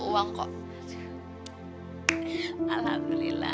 iya makannya pak pak ya